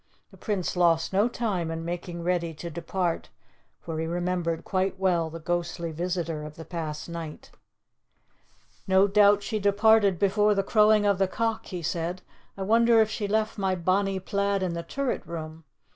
The Prince lost no time in making ready to depart, for he remembered quite well the ghostly visitor of the past night. "No doubt she departed before the crowing of the cock," he said. "I wonder if she left my bonnie plaid in the turret room.